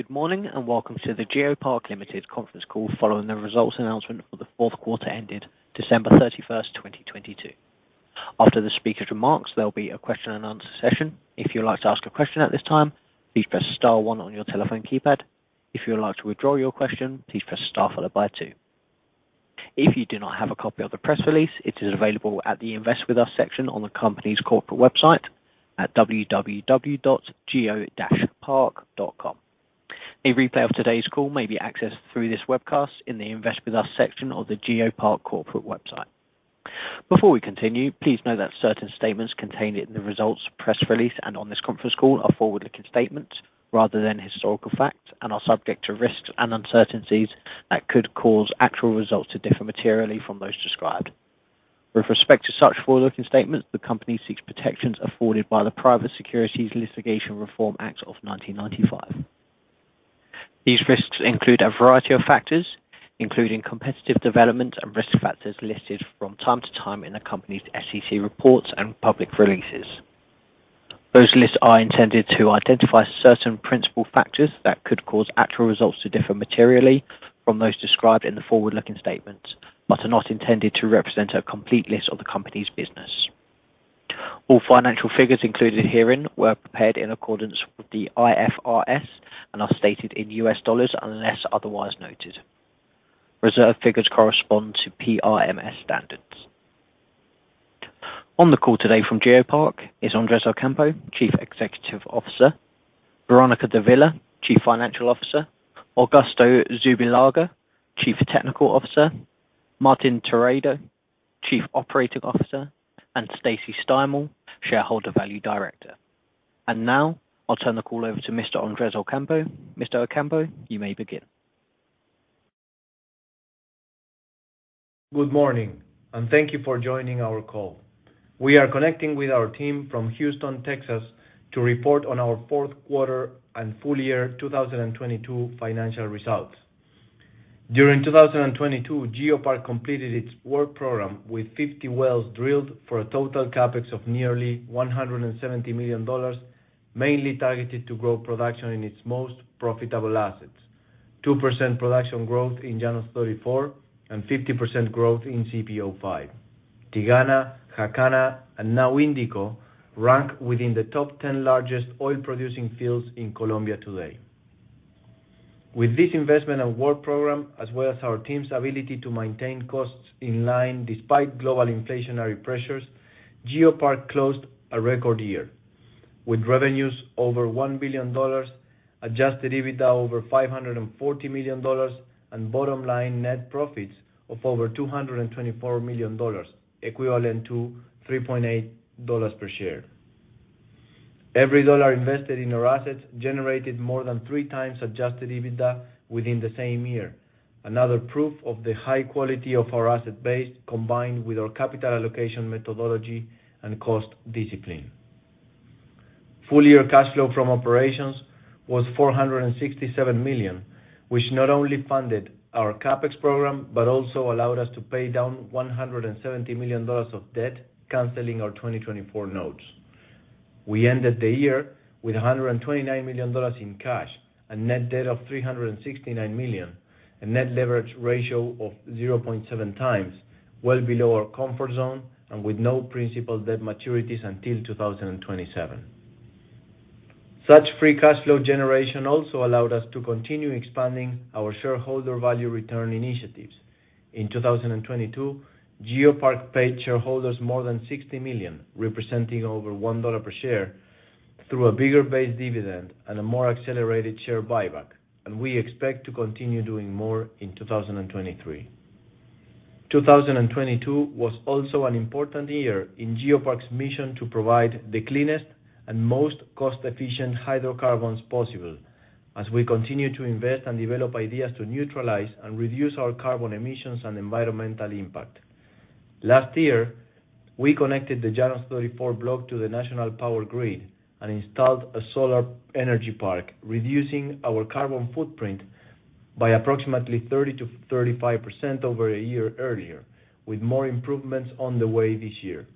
Good morning, and welcome to the GeoPark Limited conference call following the results announcement for the fourth quarter ended December 31st, 2022. After the speaker's remarks, there'll be a question and answer session. If you'd like to ask a question at this time, please press star one on your telephone keypad. If you would like to withdraw your question, please press star followed by two. If you do not have a copy of the press release, it is available at the Invest With Us section on the company's corporate website at www.geopark.com. A replay of today's call may be accessed through this webcast in the Invest With Us section of the GeoPark corporate website. Before we continue, please know that certain statements contained in the results press release and on this conference call are forward-looking statements rather than historical facts and are subject to risks and uncertainties that could cause actual results to differ materially from those described. With respect to such forward-looking statements, the company seeks protections afforded by the Private Securities Litigation Reform Act of 1995. These risks include a variety of factors, including competitive development and risk factors listed from time to time in the company's SEC reports and public releases. Those lists are intended to identify certain principal factors that could cause actual results to differ materially from those described in the forward-looking statements, but are not intended to represent a complete list of the company's business. All financial figures included herein were prepared in accordance with the IFRS and are stated in US dollars unless otherwise noted. Reserve figures correspond to PRMS standards. On the call today from GeoPark is Andrés Ocampo, Chief Executive Officer, Verónica Dávila, Chief Financial Officer, Augusto Zubillaga, Chief Technical Officer, Martin Terrado, Chief Operating Officer, and Stacy Steimel, Shareholder Value Director. Now, I'll turn the call over to Mr. Andrés Ocampo. Mr. Ocampo, you may begin. Good morning, thank you for joining our call. We are connecting with our team from Houston, Texas, to report on our fourth quarter and full year 2022 financial results. During 2022, GeoPark completed its work program with 50 wells drilled for a total CapEx of nearly $170 million, mainly targeted to grow production in its most profitable assets. 2% production growth in Llanos 34, and 50% growth in CPO-5. Tigana, Jacana, and now Indico rank within the top 10 largest oil-producing fields in Colombia today. With this investment and work program, as well as our team's ability to maintain costs in line despite global inflationary pressures, GeoPark closed a record year with revenues over $1 billion, adjusted EBITDA over $540 million, and bottom line net profits of over $224 million, equivalent to $3.8 per share. Every dollar invested in our assets generated more than 3x adjusted EBITDA within the same year. Another proof of the high quality of our asset base, combined with our capital allocation methodology and cost discipline. Full year cash flow from operations was $467 million, which not only funded our CapEx program, but also allowed us to pay down $170 million of debt, canceling our 2024 notes. We ended the year with $129 million in cash, a net debt of $369 million, a net leverage ratio of 0.7x, well below our comfort zone, and with no principal debt maturities until 2027. Such free cash flow generation also allowed us to continue expanding our shareholder value return initiatives. In 2022, GeoPark paid shareholders more than $60 million, representing over $1 per share through a bigger base dividend and a more accelerated share buyback. We expect to continue doing more in 2023. 2022 was also an important year in GeoPark's mission to provide the cleanest and most cost-efficient hydrocarbons possible, as we continue to invest and develop ideas to neutralize and reduce our carbon emissions and environmental impact. Last year, we connected the Llanos 34 block to the national power grid and installed a solar energy park, reducing our carbon footprint by approximately 30%-35% over a year earlier, with more improvements on the way this year.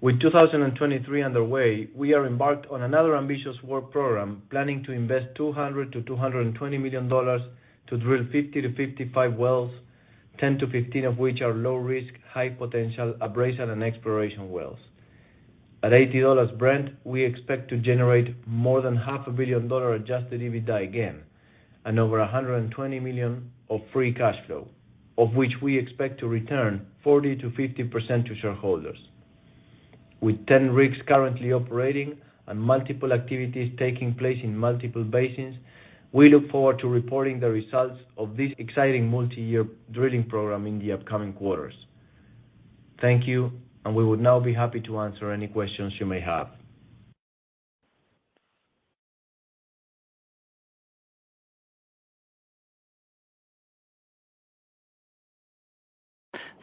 With 2023 underway, we are embarked on another ambitious work program, planning to invest $200 million-$220 million to drill 50-55 wells, 10-15 wells of which are low risk, high potential, appraisal and exploration wells. At $80 Brent, we expect to generate more than half a billion dollar adjusted EBITDA again and over $120 million of free cash flow, of which we expect to return 40%-50% to shareholders. With 10 rigs currently operating and multiple activities taking place in multiple basins, we look forward to reporting the results of this exciting multi-year drilling program in the upcoming quarters. Thank you. We would now be happy to answer any questions you may have.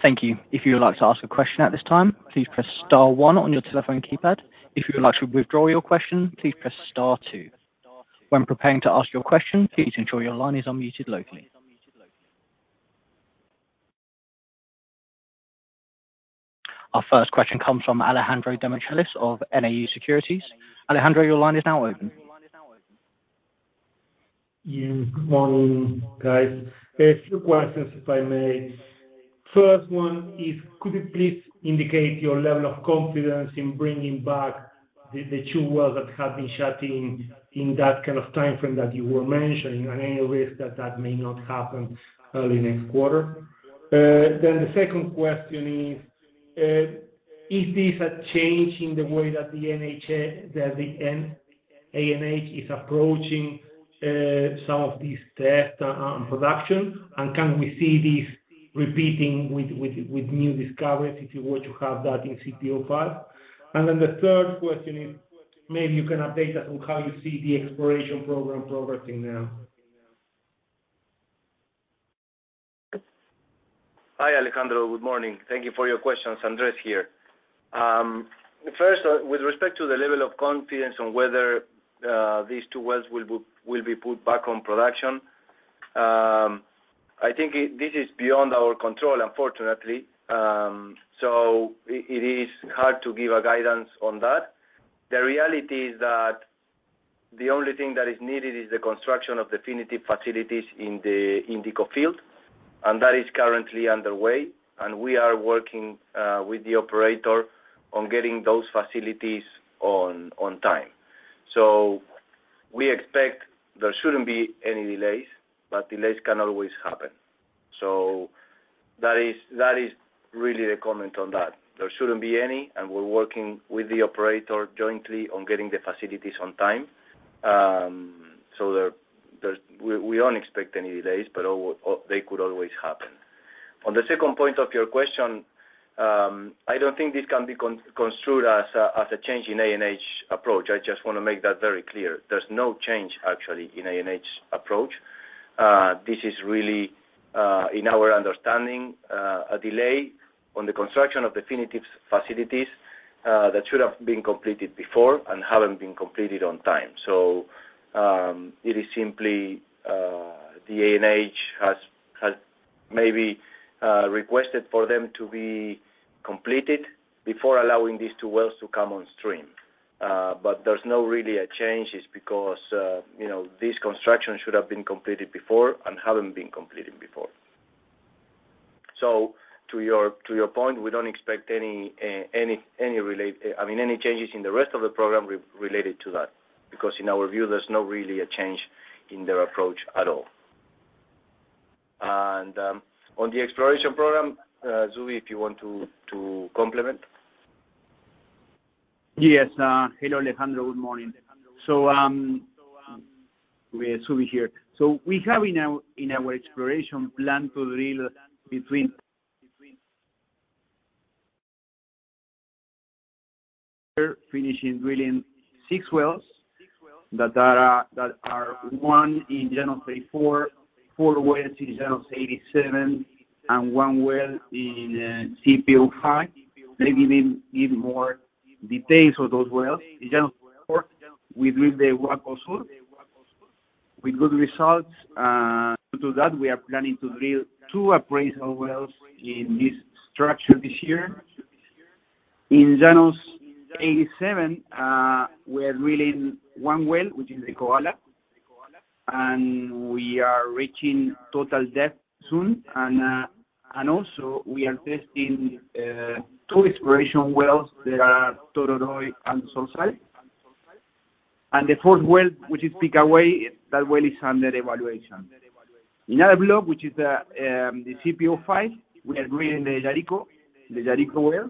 Thank you. If you would like to ask a question at this time, please press star one on your telephone keypad. If you would like to withdraw your question, please press star two. When preparing to ask your question, please ensure your line is unmuted locally. Our first question comes from Alejandro Demichelis of Nau Securities. Alejandro, your line is now open. Yes. Good morning, guys. A few questions, if I may. First one is, could you please indicate your level of confidence in bringing back the two wells that have been shutting in that kind of timeframe that you were mentioning, and any risk that may not happen early next quarter? The second question is this a change in the way that the ANH is approaching some of these tests on production? Can we see this repeating with new discoveries, if you were to have that in CPO-5? The third question is, maybe you can update us on how you see the exploration program progressing now. Hi, Alejandro. Good morning. Thank you for your question. Andrés here. First, with respect to the level of confidence on whether these two wells will be put back on production, I think this is beyond our control, unfortunately. It is hard to give a guidance on that. The reality is that the only thing that is needed is the construction of definitive facilities in the Indico field, and that is currently underway, and we are working with the operator on getting those facilities on time. We expect there shouldn't be any delays, but delays can always happen. That is really the comment on that. There shouldn't be any, and we're working with the operator jointly on getting the facilities on time. We don't expect any delays, but they could always happen. On the second point of your question, I don't think this can be construed as a change in ANH approach. I just wanna make that very clear. There's no change actually in ANH's approach. This is really, in our understanding, a delay on the construction of definitive facilities that should have been completed before and haven't been completed on time. It is simply, the ANH has maybe requested for them to be completed before allowing these two wells to come on stream. There's no really a change. It's because, you know, this construction should have been completed before and haven't been completed before. To your point, we don't expect I mean, any changes in the rest of the program related to that, because in our view, there's not really a change in their approach at all. On the exploration program, Zubi, if you want to complement. Yes. Uh, hello, Alejandro. Good morning. So, um, yeah, Zubi here. So we have in our, in our exploration plan to drill between finishing drilling six wells that are, that are one in Llanos 34, four wells in Llanos 87, and one well in CPO-5. Maybe give, give more details of those wells. In Llanos 4, we drilled the Guaco Sur with good results. Uh, due to that, we are planning to drill two appraisal wells in this structure this year. In Llanos 87, uh, we are drilling one well, which is the Koala, and we are reaching total depth soon. And, uh, and also, we are testing, uh, two exploration wells that are Tororoi and Solvay. And the fourth well, which is Picabuey, that well is under evaluation. In other block, which is the CPO-5, we are drilling the Yarico well,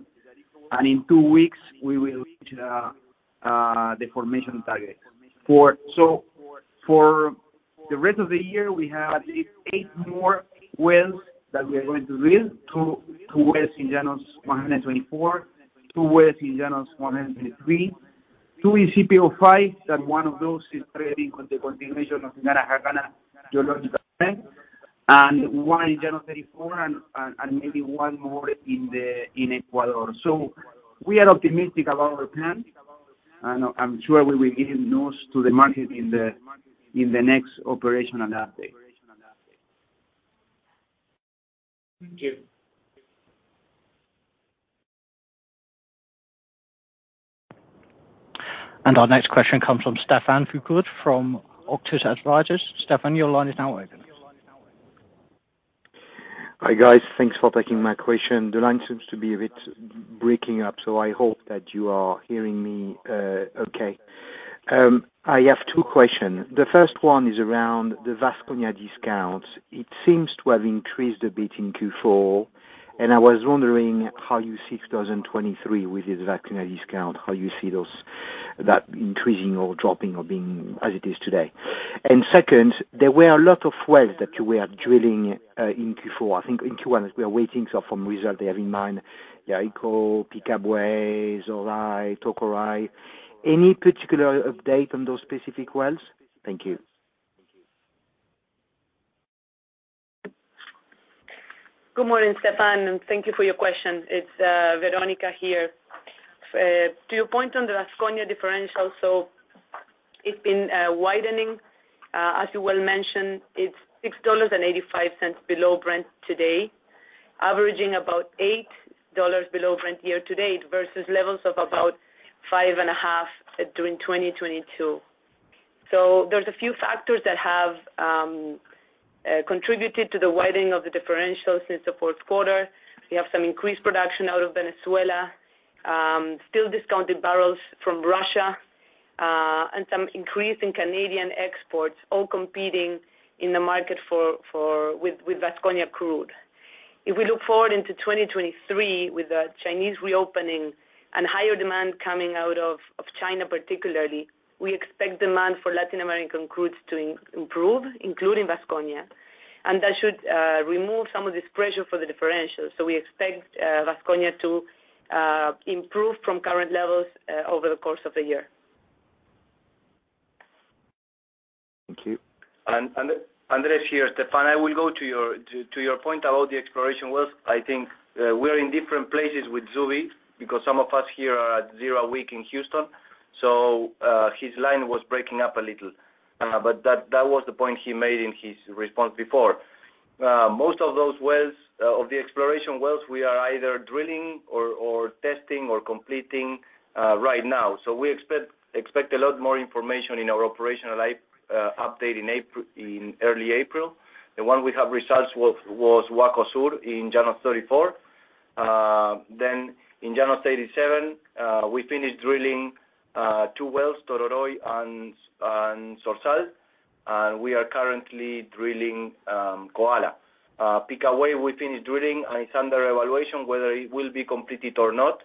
and in two weeks, we will reach the formation target. For the rest of the year, we have at least eight more wells that we are going to drill. Two wells in Llanos 124, two wells in Llanos 123, two in CPO-5, and one of those is trading on the continuation of Mirador Formation geological trend, and one in Llanos 34 and maybe one more in Ecuador. We are optimistic about our plans and I'm sure we will give news to the market in the next operational update. Thank you. Our next question comes from Stephane Foucaud from Auctus Advisors. Stephane, your line is now open. Hi, guys. Thanks for taking my question. The line seems to be a bit breaking up, I hope that you are hearing me okay. I have two questions. The first one is around the Vasconia discount. It seems to have increased a bit in Q4, I was wondering how you see 2023 with the Vasconia discount, how you see That increasing or dropping or being as it is today. Second, there were a lot of wells that you were drilling in Q4. I think in Q1 as we are waiting, from result I have in mind, Yarico, Picabuey, Zorzal, Tororoi. Any particular update on those specific wells? Thank you. Good morning, Stephane, and thank you for your question. It's Verónica here. To your point on the Vasconia differential, It's been widening. As you well mentioned, it's $6.85 below Brent today, averaging about $8 below Brent year to date, versus levels of about five and a half during 2022. There's a few factors that have contributed to the widening of the differentials since the fourth quarter. We have some increased production out of Venezuela, still discounted barrels from Russia, and some increase in Canadian exports, all competing in the market for with Vasconia crude. If we look forward into 2023, with the Chinese reopening and higher demand coming out of China particularly, we expect demand for Latin American crudes to improve, including Vasconia. That should remove some of this pressure for the differential. We expect Vasconia to improve from current levels over the course of the year. Thank you. Andrés here, Stefan. I will go to your point about the exploration wells. I think, we're in different places with Zubi because some of us here are at CERAWeek in Houston, so, his line was breaking up a little. But that was the point he made in his response before. Most of those wells, of the exploration wells, we are either drilling or testing or completing, right now. We expect a lot more information in our operational update in early April. The one we have results was Guaco Sur in Llanos 34. In Llanos 37, we finished drilling, two wells, Tororoi and Zorzal. We are currently drilling, Koala. Picabuey, we finished drilling, and it's under evaluation whether it will be completed or not.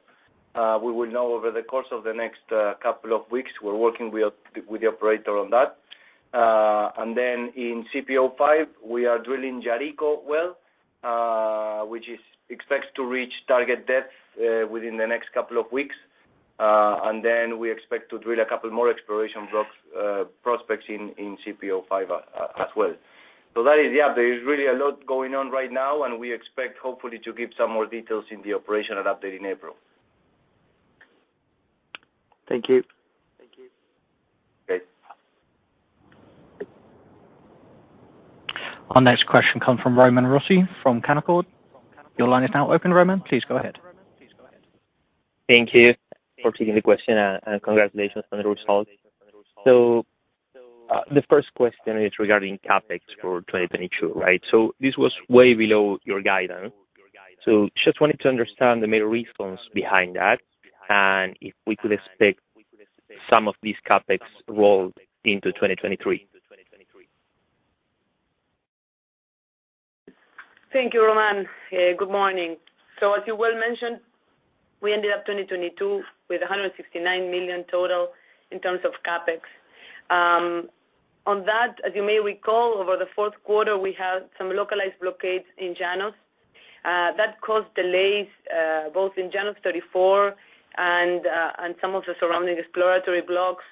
We will know over the course of the next couple of weeks. We're working with the operator on that. In CPO-5, we are drilling Yarico well, which is expected to reach target depth within the next couple of weeks. We expect to drill a couple more exploration blocks, prospects in CPO-5 as well. That is the update. There is really a lot going on right now, and we expect hopefully to give some more details in the operational update in April. Thank you. Okay. Our next question comes from Román Rossi from Canaccord. Your line is now open, Román. Please go ahead. Thank you for taking the question, and congratulations on the results. The first question is regarding CapEx for 2022, right? This was way below your guidance. Just wanted to understand the main reasons behind that, and if we could expect some of these CapEx rolled into 2023. Thank you, Román. Good morning. As you well mentioned, we ended up 2022 with $169 million total in terms of CapEx. On that, as you may recall, over the fourth quarter, we had some localized blockades in Llanos that caused delays both in Llanos 34 and some of the surrounding exploratory blocks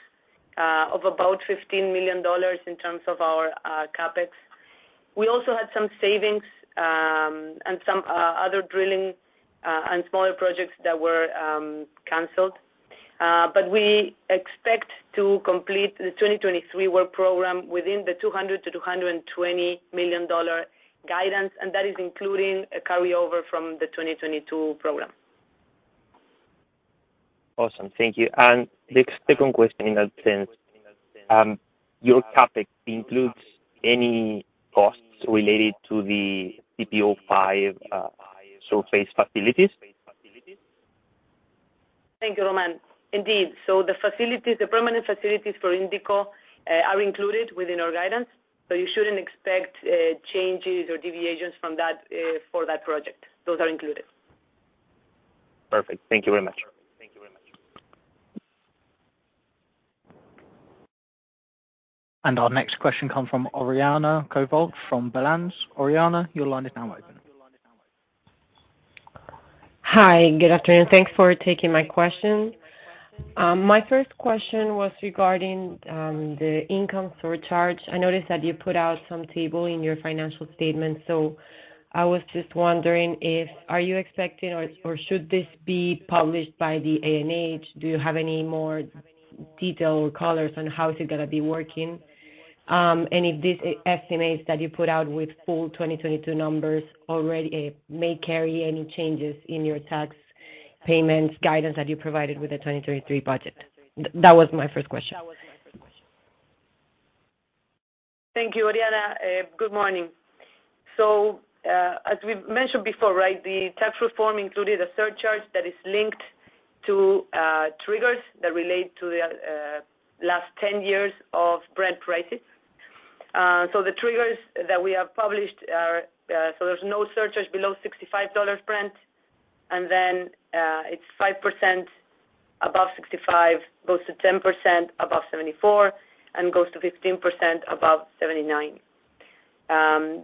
of about $15 million in terms of our CapEx. We also had some savings and some other drilling and smaller projects that were canceled. We expect to complete the 2023 work program within the $200 million-$220 million guidance, and that is including a carryover from the 2022 program. Awesome. Thank you. The second question in that sense, your CapEx includes any costs related to the CPO-5 shore-based facilities? Thank you, Román. Indeed. The facilities, the permanent facilities for Indico are included within our guidance. You shouldn't expect changes or deviations from that for that project. Those are included. Perfect. Thank you very much. Our next question comes from Oriana Covault from Balanz. Oriana, your line is now open. Hi. Good afternoon. Thanks for taking my question. My first question was regarding the income surcharge. I noticed that you put out some table in your financial statement, so I was just wondering if. Are you expecting or should this be published by the ANH? Do you have any more detail or colors on how is it gonna be working? If these estimates that you put out with full 2022 numbers already, may carry any changes in your tax payments guidance that you provided with the 2023 budget? That was my first question. Thank you, Oriana. Good morning. As we've mentioned before, right, the tax reform included a surcharge that is linked to triggers that relate to the last 10 years of Brent prices. The triggers that we have published are, so there's no surcharge below $65 Brent, and then, it's 5% above 65, goes to 10% above 74, and goes to 15% above 79.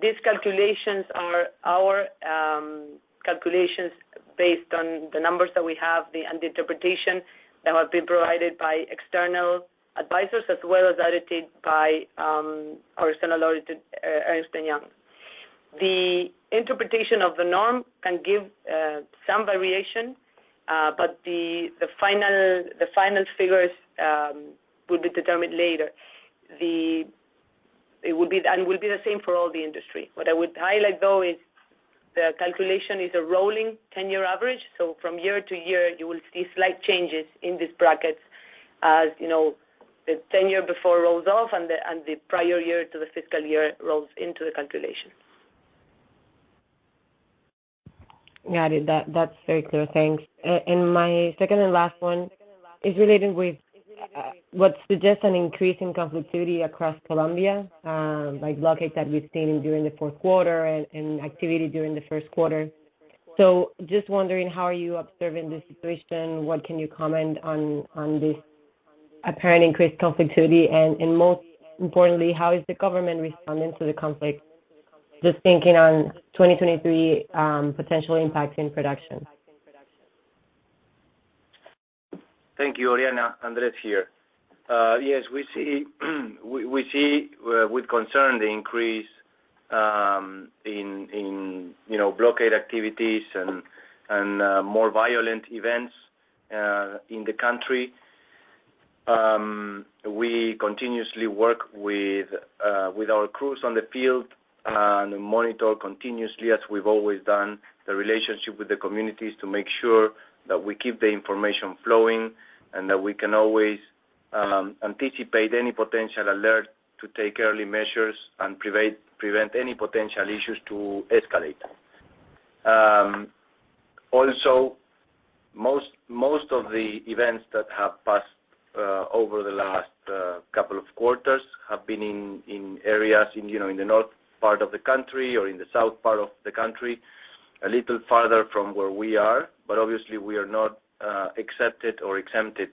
These calculations are our calculations based on the numbers that we have, and the interpretation that have been provided by external advisors, as well as audited by our external audited Ernst & Young. The interpretation of the norm can give some variation, but the final, the final figures will be determined later. It will be, and will be the same for all the industry. What I would highlight though is the calculation is a rolling ten-year average. From year to year, you will see slight changes in these brackets as, you know, the ten-year before rolls off and the prior year to the fiscal year rolls into the calculation. Got it. That's very clear. Thanks. And my second and last one is relating with what suggests an increase in conflictivity across Colombia, like blockades that we've seen during the fourth quarter and activity during the first quarter. Just wondering, how are you observing this situation? What can you comment on this apparent increased conflictivity? Most importantly, how is the government responding to the conflict? Just thinking on 2023 potential impact in production. Thank you, Oriana. Andrés here. Yes, we see with concern the increase in, you know, blockade activities and more violent events in the country. We continuously work with our crews on the field and monitor continuously as we've always done the relationship with the communities to make sure that we keep the information flowing and that we can always anticipate any potential alert to take early measures and prevent any potential issues to escalate. Also most of the events that have passed over the last couple of quarters have been in areas in, you know, in the north part of the country or in the south part of the country, a little farther from where we are. But obviously we are not excepted or exempted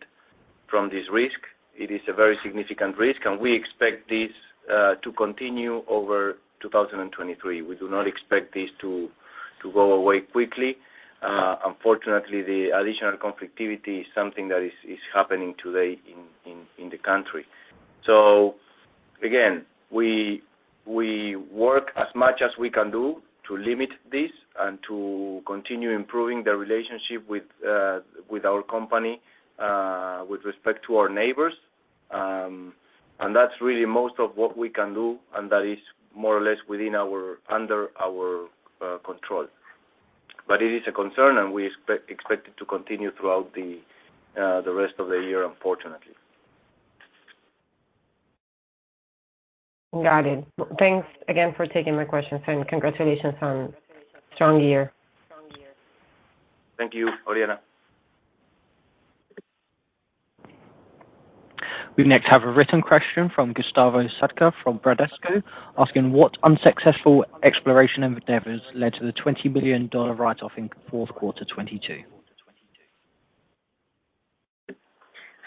from this risk. It is a very significant risk, and we expect this to continue over 2023. We do not expect this to go away quickly. Unfortunately, the additional conflictivity is something that is happening today in the country. Again, we work as much as we can do to limit this and to continue improving the relationship with our company, with respect to our neighbors. That's really most of what we can do, and that is more or less under our control. It is a concern and we expect it to continue throughout the rest of the year, unfortunately. Got it. Thanks again for taking my questions and congratulations on strong year. Thank you, Oriana. We next have a written question from Gustavo Sadka from Bradesco asking what unsuccessful exploration endeavors led to the $20 million write-off in fourth quarter 2022.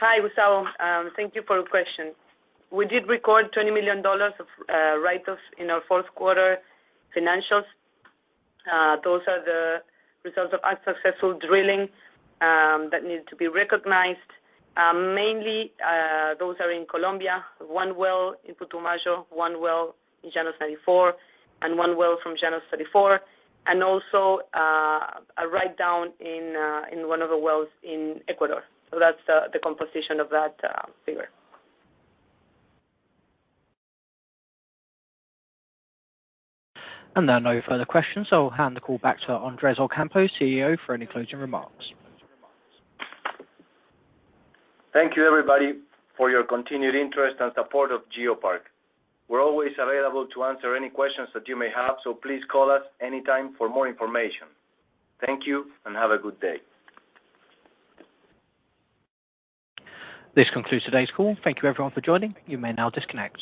Hi, Gustavo. Thank you for your question. We did record $20 million of write-offs in our fourth quarter financials. Those are the results of unsuccessful drilling that needed to be recognized. Mainly, those are in Colombia, one well in Putumayo, one well in Llanos 34, and one well from Llanos 34, and also, a write down in one of the wells in Ecuador. That's the composition of that figure. There are no further questions, so I'll hand the call back to Andrés Ocampo, CEO, for any closing remarks. Thank you everybody for your continued interest and support of GeoPark. We're always available to answer any questions that you may have, so please call us anytime for more information. Thank you, and have a good day. This concludes today's call. Thank you everyone for joining. You may now disconnect.